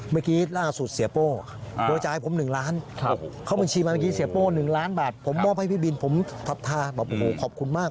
เมื่อกี้ล่ากู้สูตรเสียโป้บมไปจากผม๑ล้าน